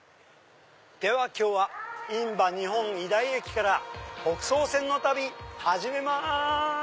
今日は印旛日本医大駅から北総線の旅始めます！